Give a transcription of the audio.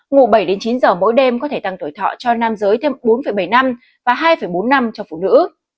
ngủ bảy chín giờ mỗi đêm có thể tăng tuổi thọ cho nam giới thêm bốn bảy năm và hai bốn năm cho phụ nữ